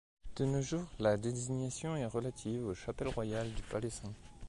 De nos jours, la désignation est relative aux chapelles royales du palais St.